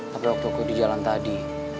tapi waktu aku di jalan tadi